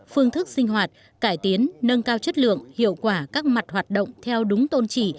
phương thức sinh hoạt cải tiến nâng cao chất lượng hiệu quả các mặt hoạt động theo đúng tôn trị